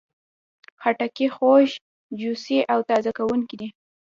خټکی خوږ، جوسي او تازه کوونکی دی.